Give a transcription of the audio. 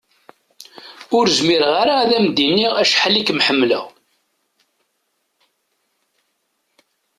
Ur zmireɣ ara ad am-d-iniɣ acḥal i kem-ḥemmleɣ.